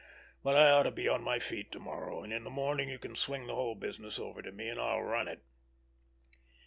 But I ought to be on my feet to morrow, and in the morning you can swing the whole business over to me, and I'll run it."